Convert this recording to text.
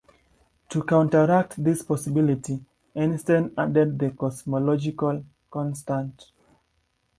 To counteract this possibility, Einstein added the cosmological constant.